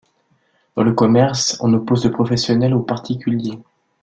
Dans le commerce, on oppose le professionnel au particulier.